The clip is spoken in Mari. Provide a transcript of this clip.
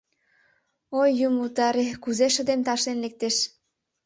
Ой, Юмо утаре, кузе шыдем ташлен лектеш.